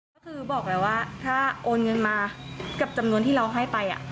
ก็คือบอกแล้วว่าถ้าโอนเงินมากับจำนวนที่เราให้ไป